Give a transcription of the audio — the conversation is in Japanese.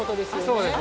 そうです。